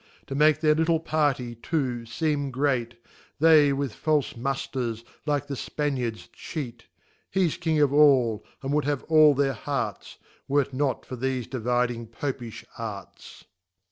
To make their little Party too, feem great, They with falfe Mufters, like the Spaniards, cheat: . He's King of all, and would have all their Hearts,, Were*t not for thefe dividing Popijh arts.